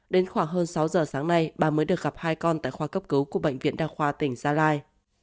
đến khoảng hơn sáu giờ sáng nay bà mới được gặp hai con tại khoa cấp cứu của bệnh viện đa khoa tỉnh gia lai